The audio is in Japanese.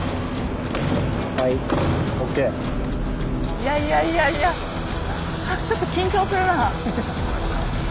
いやいやいやいやちょっと緊張するな。